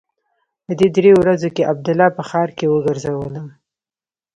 په دې درېو ورځو کښې عبدالله په ښار کښې وګرځولم.